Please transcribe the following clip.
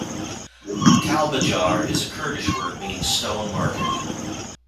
"Kalbajar" is a Kurdish word meaning 'Stone market'.